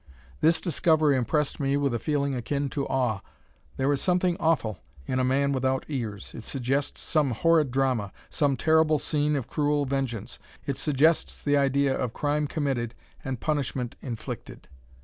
This discovery impressed me with a feeling akin to awe. There is something awful in a man without ears. It suggests some horrid drama, some terrible scene of cruel vengeance. It suggests the idea of crime committed and punishment inflicted.